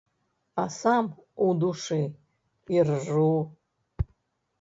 А сам у душы іржу.